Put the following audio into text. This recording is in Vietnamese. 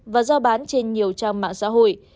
và giao bán trên nhiều trang mạng xã hội